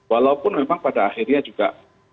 walaupun memang pada akhirnya juga